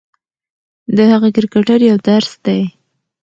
د هغه کرکټر یو درس دی.